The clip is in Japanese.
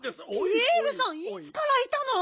ピエールさんいつからいたの？